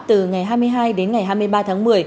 từ ngày hai mươi hai đến ngày hai mươi ba tháng một mươi